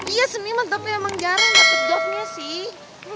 iya seniman tapi emang jarang dapat jobnya sih